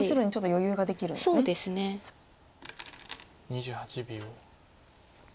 ２８秒。